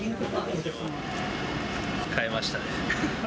買えましたね。